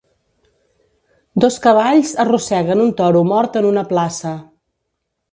Dos cavalls arrosseguen un toro mort en una plaça.